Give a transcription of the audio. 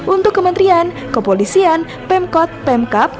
untuk kementerian kepolisian pemkot pemkap